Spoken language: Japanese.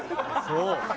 そう？